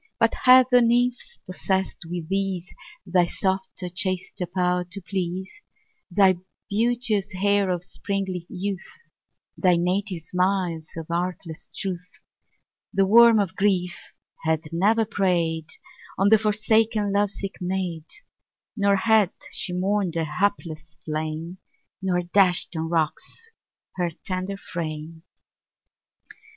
2 But had the nymph possess'd with these Thy softer, chaster power to please, Thy beauteous air of sprightly youth, Thy native smiles of artless truth 3 The worm of grief had never prey'd On the forsaken love sick maid; Nor had she mourn'd a hapless flame, Nor dash'd on rocks her tender frame.